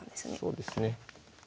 そうですね。